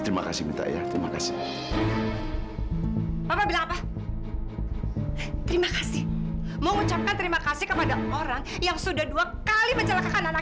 di jalan jasa simran yang aku katakan